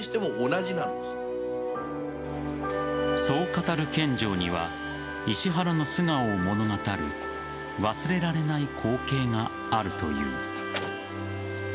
そう語る見城には石原の素顔を物語る忘れられない光景があるという。